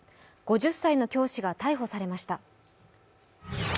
５０歳の教師が逮捕されました。